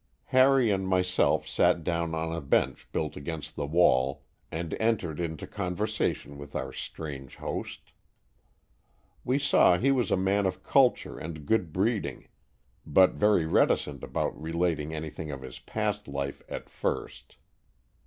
Harry and myself sat down on a bench built against the wall and entered into conversation with our strange host. We saw he was a man of culture and good breeding, but very reticent about relating anything of his past life at first.